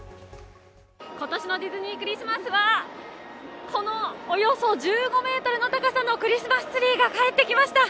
今年のディズニークリスマスは、このおよそ１５ｍの高さのクリスマスツリーが帰ってきました。